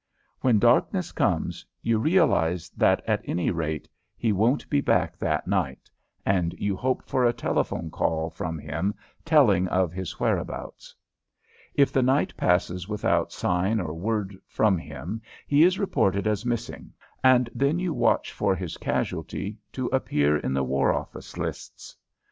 When darkness comes you realize that, at any rate, he won't be back that night, and you hope for a telephone call from him telling of his whereabouts. If the night passes without sign or word from him he is reported as missing, and then you watch for his casualty to appear in the war office lists.